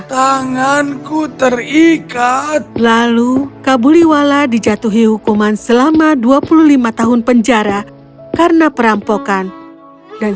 tanganku terikat lalu kabuliwala dijatuhi hukuman selama dua puluh lima tahun penjara karena perampokan dan